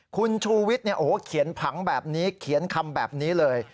คุณชูวิทย์เขียนผังแบบนี้เขียนคำแบบนี้เลย